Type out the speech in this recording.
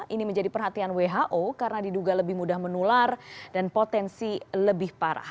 ini menjadi perhatian who karena diduga lebih mudah menular dan potensi lebih parah